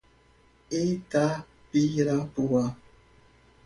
Itapirapuã